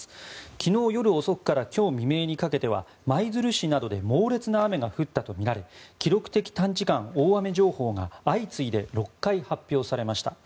昨日夜遅くから今日未明にかけては舞鶴市などで猛烈な雨が降ったとみられ記録的短時間大雨情報が相次いで６回発表されました。